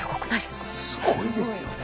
すごいですよね。